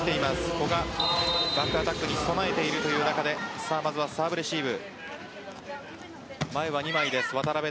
古賀、バックアタックに備えているという中でまずはサーブレシーブ。